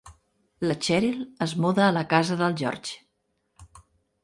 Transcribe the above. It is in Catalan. La Cheryl es muda a la casa del George.